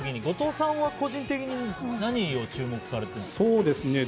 後藤さんは個人的に何を注目されているんですか？